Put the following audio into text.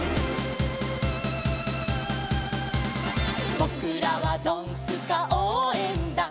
「ぼくらはドンスカおうえんだん」